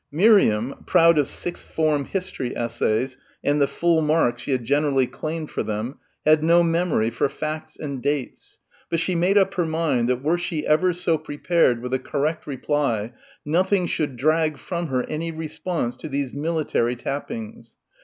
Miriam, proud of sixth form history essays and the full marks she had generally claimed for them, had no memory for facts and dates; but she made up her mind that were she ever so prepared with a correct reply, nothing should drag from her any response to these military tappings.